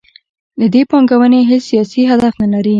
له دې پانګونې یې هیڅ سیاسي هدف نلري.